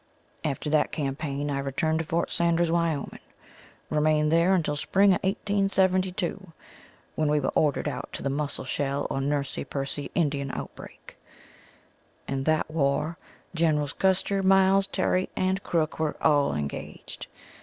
After that campaign I returned to Fort Sanders, Wyoming, remained there until spring of 1872, when we were ordered out to the Muscle Shell or Nursey Pursey Indian outbreak. In that war Generals Custer, Miles, Terry and Crook were all engaged.